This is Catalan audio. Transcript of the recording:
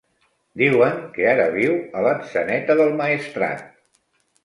Diuen que ara viu a Atzeneta del Maestrat.